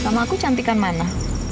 sama aku cantikan mana